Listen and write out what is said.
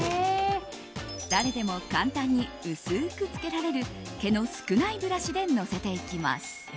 誰でも簡単に薄くつけられる毛の少ないブラシでのせていきます。